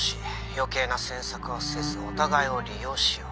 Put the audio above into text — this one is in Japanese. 「余計な詮索はせずお互いを利用しよう」